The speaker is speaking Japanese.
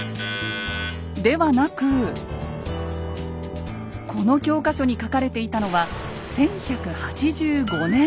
ではなくこの教科書に書かれていたのは１１８５年。